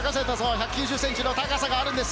１９０ｃｍの高さがあります